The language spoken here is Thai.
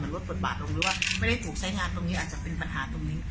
หรือว่าไม่ได้ปลูกใช้งานตรงนี้อาจจะเป็นปัญหาตรงนี้